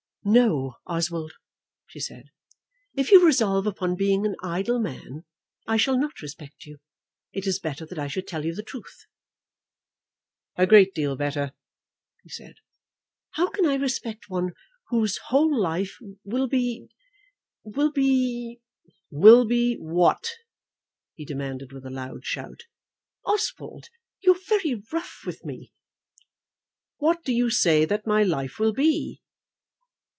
"No, Oswald," she said. "If you resolve upon being an idle man, I shall not respect you. It is better that I should tell you the truth." "A great deal better," he said. "How can I respect one whose whole life will be, will be ?" "Will be what?" he demanded with a loud shout. "Oswald, you are very rough with me." "What do you say that my life will be?"